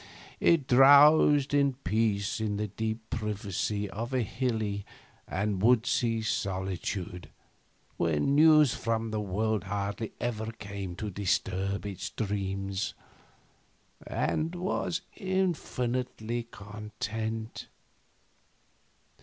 It drowsed in peace in the deep privacy of a hilly and woodsy solitude where news from the world hardly ever came to disturb its dreams, and was infinitely content.